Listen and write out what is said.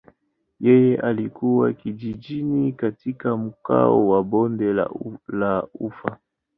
Yeye alikulia kijijini katika mkoa wa bonde la ufa.